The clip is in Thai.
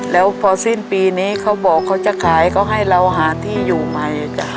แล้วพอสิ้นปีนี้เขาบอกเขาจะขายเขาให้เราหาที่อยู่ใหม่จ้ะ